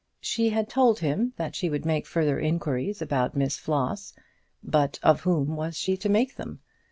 She had told him that she would make further inquiries about Miss Floss, but of whom was she to make them?